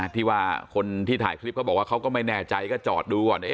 ที่ว่าคนที่ถ่ายคลิปเขาบอกว่าเขาก็ไม่แน่ใจก็จอดดูก่อน